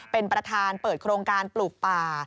เป็นประธานเปิดโครงการปลูกป่า